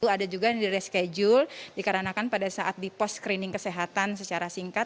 ada juga yang di reschedule dikarenakan pada saat di pos screening kesehatan secara singkat